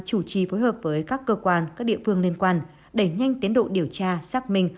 chủ trì phối hợp với các cơ quan các địa phương liên quan đẩy nhanh tiến độ điều tra xác minh